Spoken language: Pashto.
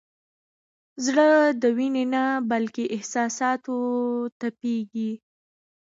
زړه د وینې نه بلکې احساساتو تپېږي.